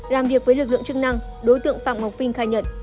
làm việc với lực lượng chức năng đối tượng phạm ngọc vinh khai nhận